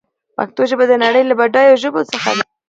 پښتو ژبه د نړۍ له بډايو ژبو څخه ده.